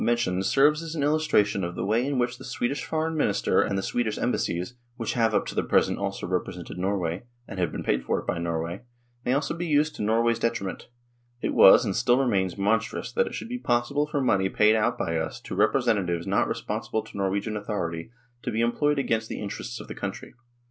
THE HISTORY OF THE UNION 35 tioned serves as an illustration of the way in which the Swedish Foreign Minister and the Swedish Embas sies, which have up to the present also represented Norway, and have been paid for it by Norway, may also be used to Norway's detriment ; it was and still remains monstrous that it should be possible for money paid out by us to representatives not respon sible to Norwegian authority, to be employed against the interests of the country.